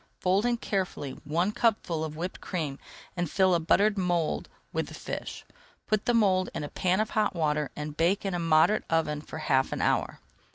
Fold in carefully one cupful of whipped cream and fill a buttered mould with the fish. Put the mould in a pan of hot water and bake in a moderate oven for half an hour.